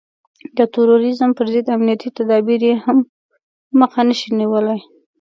د تروريزم پر ضد امنيتي تدابير يې هم مخه نشي نيولای.